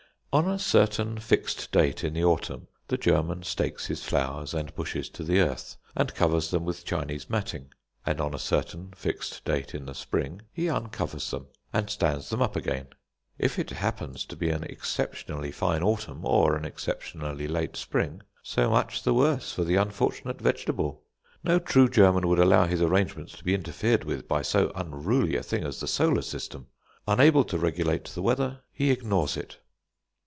On a certain fixed date in the autumn the German stakes his flowers and bushes to the earth, and covers them with Chinese matting; and on a certain fixed date in the spring he uncovers them, and stands them up again. If it happens to be an exceptionally fine autumn, or an exceptionally late spring, so much the worse for the unfortunate vegetable. No true German would allow his arrangements to be interfered with by so unruly a thing as the solar system. Unable to regulate the weather, he ignores it.